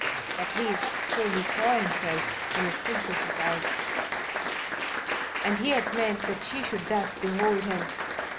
At least, so he saw himself in his Princess's eyes. And he had meant that she should thus behold him.